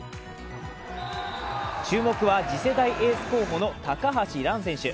注目は次世代エース候補の高橋藍選手。